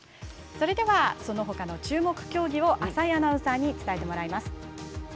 そのほかの注目競技を浅井アナウンサーに伝えてもらいます。